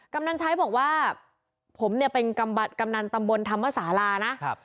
กำนันใช้บอกว่าผมเนี่ยเป็นกำบัดกำนันตำบนธรรมสาลานะครับ